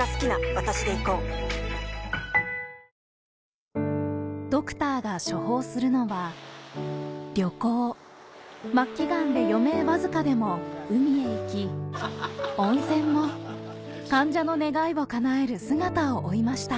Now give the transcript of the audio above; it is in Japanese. さぁドクターが処方するのは旅行末期がんで余命わずかでも海へ行き温泉も患者の願いをかなえる姿を追いました